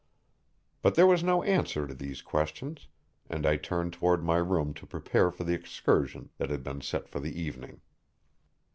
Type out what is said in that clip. But there was no answer to these questions, and I turned toward my room to prepare for the excursion that had been set for the evening.